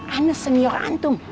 anak senior antum